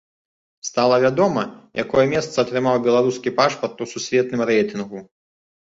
Стала вядома, якое месца атрымаў беларускі пашпарт у сусветным рэйтынгу.